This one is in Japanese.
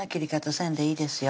せんでいいですよ